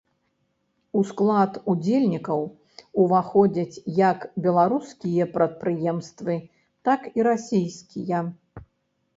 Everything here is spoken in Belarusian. У склад удзельнікаў ўваходзяць як беларускія прадпрыемствы, так і расійскія.